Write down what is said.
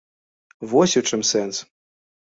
Вось у чым сэнс.